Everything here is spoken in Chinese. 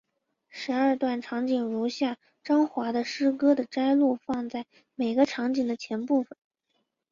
十二段场景如下张华的诗歌的摘录放在每个场景的前部分。